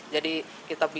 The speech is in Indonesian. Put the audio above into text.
jadi kita bikin